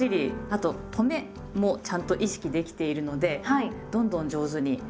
あととめもちゃんと意識できているのでどんどん上手になってきていますね。